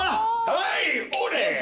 はい俺！